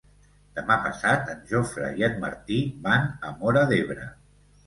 Demà passat en Jofre i en Martí van a Móra d'Ebre.